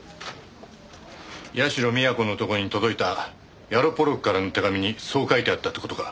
社美彌子のところに届いたヤロポロクからの手紙にそう書いてあったって事か？